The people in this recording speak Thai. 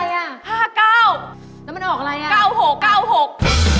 แล้วมันออกอะไรน่ะ๙ขก๙ขก